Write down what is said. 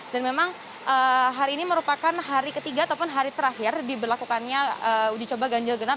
dan memang hari ini merupakan hari ketiga ataupun hari terakhir diberlakukannya uji coba ganjil genap